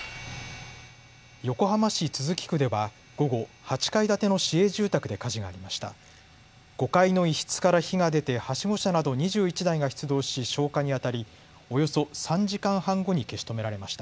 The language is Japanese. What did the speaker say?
横浜市都筑区では午後、８階建ての市営住宅で火事がありました。